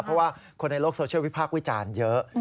เพราะว่าคนในโลกโซเชียลวิพากษ์วิจารณ์เยอะ